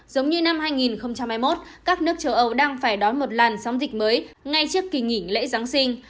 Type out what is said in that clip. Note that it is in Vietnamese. giống như năm hai nghìn hai mươi một các nước châu âu đang phải đón một làn sóng dịch mới ngay trước kỳ nghỉ lễ giáng sinh